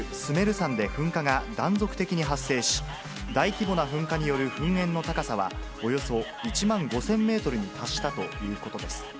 山で噴火が断続的に発生し、大規模な噴火による噴煙の高さは、およそ１万５０００メートルに達したということです。